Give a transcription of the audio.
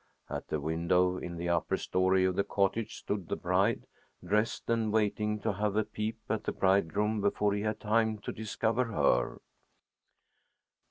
At a window in the upper story of the cottage stood the bride, dressed and waiting to have a peep at the bridegroom before he had time to discover her.